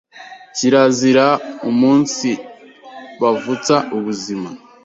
Kirazira umunsibavutsa ubuzima,